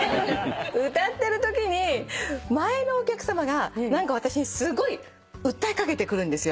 歌ってるときに前のお客さまが何か私にすごい訴えかけてくるんですよ。